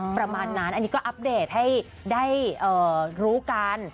ประมาณนั้นอันนี้ก็อัปเดตให้ได้รู้กัน